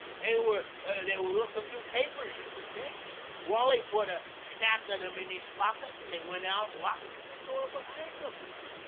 They were looking through papers at the desk. Wally put a stack of them in his pocket and they went out locking the door behind them."